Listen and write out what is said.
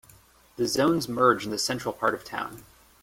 The zones merge in the central part of town.